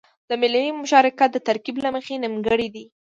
د ملي مشارکت د ترکيب له مخې نيمګړی دی.